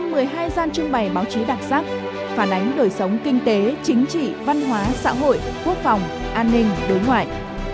một mươi hai gian trưng bày báo chí đặc sắc phản ánh đời sống kinh tế chính trị văn hóa xã hội quốc phòng an ninh đối ngoại